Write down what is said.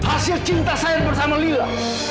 hasil cinta saya bersama lila